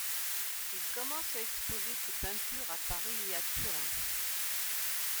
Il commence à exposer ses peintures à Paris et à Turin.